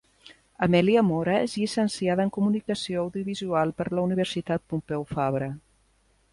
Amèlia Mora és llicenciada en Comunicació Audiovisual per la Universitat Pompeu Fabra.